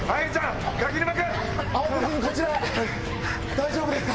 大丈夫ですか？